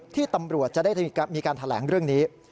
ที่ตำรวจจะได้มีการแถลงเรื่องนี้